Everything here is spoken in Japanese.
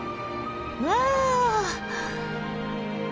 わあ！